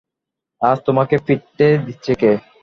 আজ তোমাকে ফিরতে দিচ্ছে কে?